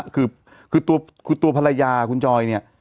คือตัวภรรยาคุณจอยเนี่ย